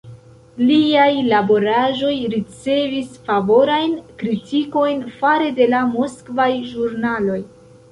Liaj laboraĵoj ricevis favorajn kritikojn fare de la moskvaj ĵurnaloj.